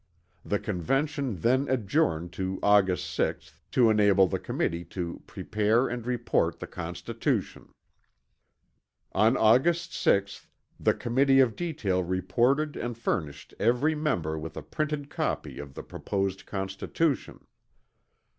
The Convention then adjourned to August 6, to enable the committee to 'prepare and report the Constitution.' "On August 6, the Committee of Detail reported and furnished every member with a printed copy of the proposed Constitution.